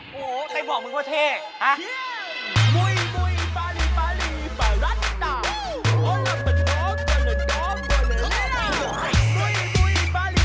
โหใครบอกมึงว่าเท่ฮะ